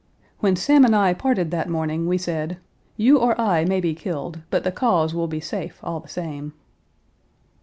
"When Sam and I parted that morning, we said: 'You or I may be killed, but the cause will be safe all the same.'